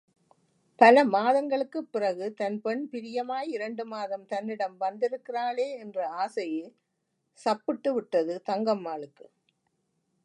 பல மாதங்களுக்குப் பிறகு தன் பெண் பிரியமாய் இரண்டு மாதம் தன்னிடம் வந்திருக்கிறாளே என்ற ஆசையே சப்பிட்டுவிட்டது தங்கம்மாளுக்கு.